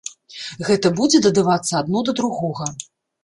Гэта будзе дадавацца адно да другога.